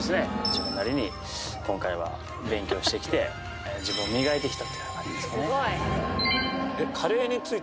自分なりに今回は勉強してきて自分を磨いてきたという感じですね